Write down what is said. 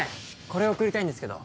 これ送りたいんですけど。